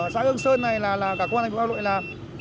xã hương sơn này là cả công an thành phố hà nội làm